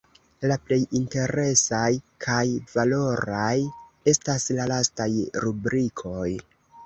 La plej interesaj kaj valoraj estas la lastaj rubrikoj.